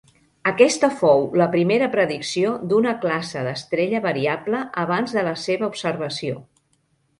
Aquesta fou la primera predicció d'una classe d'estrella variable abans de la seva observació.